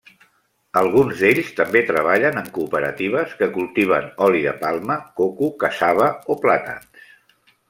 Alguns d'ells també treballen en cooperatives que cultiven oli de palma, coco, cassava o plàtans.